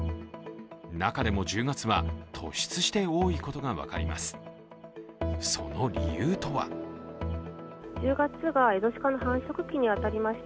中でも１０月は突出して多いことが分かります。